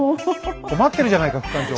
困ってるじゃないか副館長が。